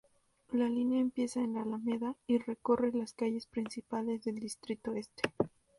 La línea empieza en la Alameda, y recorre las calles principales del distrito este.